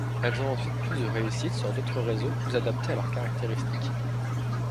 Elles ont ensuite plus de réussite sur d'autres réseaux plus adaptés à leurs caractéristiques.